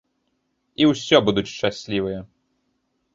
І усё будуць шчаслівыя.